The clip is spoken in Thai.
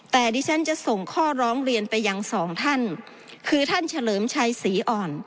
แต่ดิฉันจะส่งข้อร้องเรียนไปยังสองท่านคือท่านเฉลิมชัยศรีอ่อน